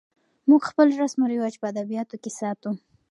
موږ خپل رسم و رواج په ادبیاتو کې ساتو.